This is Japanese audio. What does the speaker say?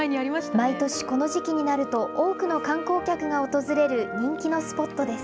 毎年、この時期になると、多くの観光客が訪れる人気のスポットです。